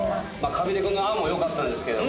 神出君の案もよかったんですけど。